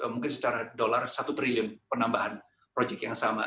mungkin secara dolar satu triliun penambahan proyek yang sama